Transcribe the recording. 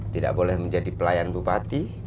tidak boleh menjadi pelayan bupati